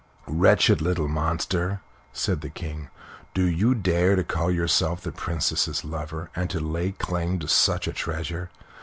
"Wretched little monster!" said the King; "do you dare to call yourself the Princess's lover, and to lay claim to such a treasure?